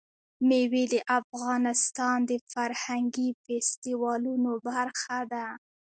مېوې د افغانستان د فرهنګي فستیوالونو برخه ده.